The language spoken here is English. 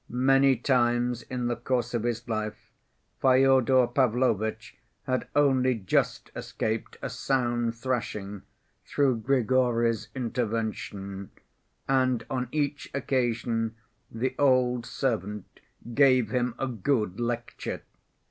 Many times in the course of his life Fyodor Pavlovitch had only just escaped a sound thrashing through Grigory's intervention, and on each occasion the old servant gave him a good lecture.